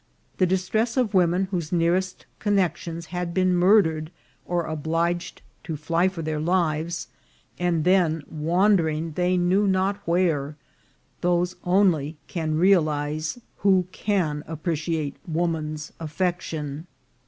The distress of women whose nearest connexions had been murdered or obliged to fly for their lives, and then wan dering they knew not where, those only can realize who can appreciate woman's affection.